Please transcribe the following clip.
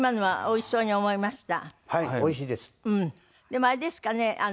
でもあれですかね？